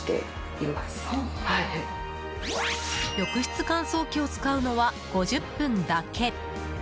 浴室乾燥機を使うのは５０分だけ。